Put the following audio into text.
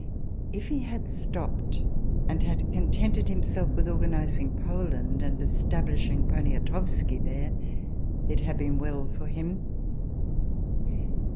If he had stopt, and had contented himself with organising Poland, and established Ponia towski there, it had been well for him.